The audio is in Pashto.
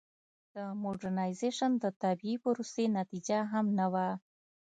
د موډرنیزېشن د طبیعي پروسې نتیجه هم نه وه.